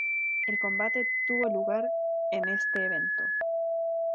El combate tuvo lugar en este evento.